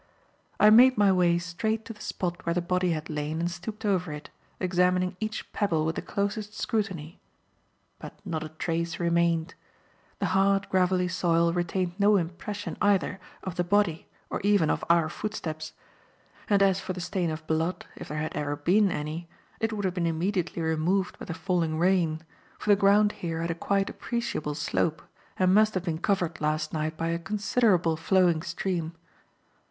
I made my way straight to the spot where the body had lain and stooped over it, examining each pebble with the closest scrutiny. But not a trace remained. The hard, gravelly soil retained no impress either of the body or even of our footsteps; and as for the stain of blood, if there had ever been any, it would have been immediately removed by the falling rain, for the ground here had a quite appreciable slope and must have been covered last night by a considerable flowing stream.